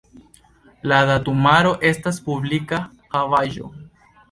La datumaro estas publika havaĵo.